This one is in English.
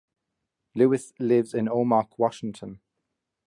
Lewis lives in Omak, Washington.